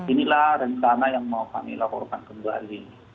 inilah rencana yang mau kami laporkan kembali